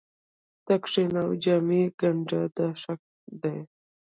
ته کښېنه او جامې ګنډه دا کار ښه دی